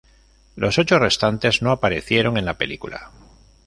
Los ocho restantes no aparecieron en la película.